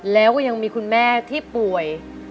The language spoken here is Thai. แล้วก็ยังมีคุณแม่ที่ป่วย